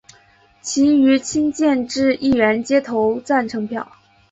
其余亲建制议员皆投赞成票。